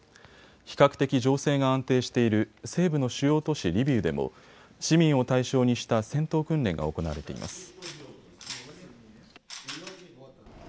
比較的情勢が安定している西部の主要都市リビウでも市民を対象にした戦闘訓練が行われています。